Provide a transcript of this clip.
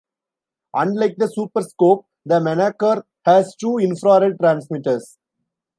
Unlike the Super Scope, the Menacer has two infrared transmitters.